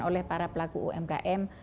oleh para pelaku umkm